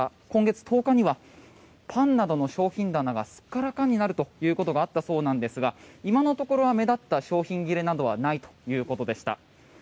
今月１０日にはパンなどの商品棚がすっからかんになるということがあったそうなんですが今のところは目立った商品切れなどはないということでした。